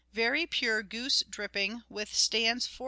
Very pure goose dripping withstands 428° F.